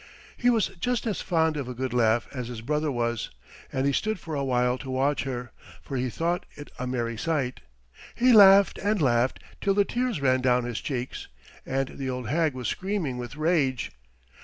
He was just as fond of a good laugh as his brother was, and he stood for a while to watch her, for he thought it a merry sight. He laughed and laughed till the tears ran down his cheeks, and the old hag was screaming with rage.